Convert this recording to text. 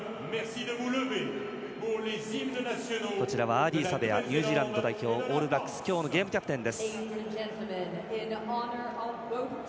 アーディー・サベアはニュージーランド代表オールブラックスの今日のゲームキャプテン。